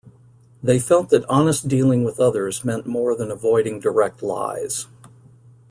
They felt that honest dealing with others meant more than avoiding direct lies.